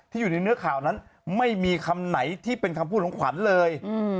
อยู่ในเนื้อข่าวนั้นไม่มีคำไหนที่เป็นคำพูดของขวัญเลย